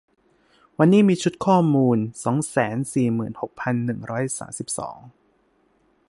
วันนี้มีชุดข้อมูล สองแสนสี่หมื่นหกพันหนึ่งร้อยสามสิบสอง